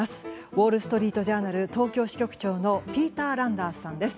ウォール・ストリート・ジャーナル東京支局長のピーター・ランダースさんです。